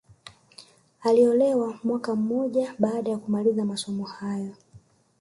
Aliolewa mwaka mmoja baada ya kumaliza masomo hayo